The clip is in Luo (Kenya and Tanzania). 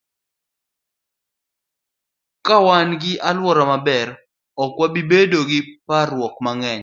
Ka wan gi alwora maler, ok wabi bedo gi parruok mang'eny.